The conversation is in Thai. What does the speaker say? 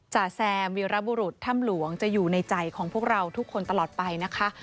จ่าแซมวีรบุรุษถ้ำหลวงจะอยู่ในใจของพวกเราทุกคนตลอดไปนะคะ